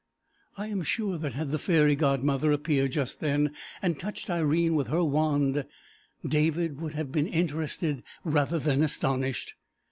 I am sure that had the fairy godmother appeared just then and touched Irene with her wand, David would have been interested rather than astonished.